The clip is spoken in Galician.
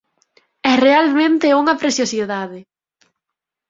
É realmente unha preciosidade!